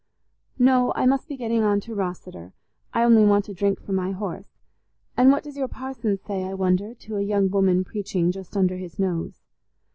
"No, I must be getting on to Rosseter. I only want a drink for my horse. And what does your parson say, I wonder, to a young woman preaching just under his nose?"